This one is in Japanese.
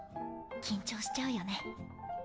緊張しちゃうよね。